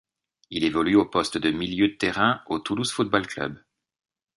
Il évolue au poste de milieu de terrain au Toulouse Football Club.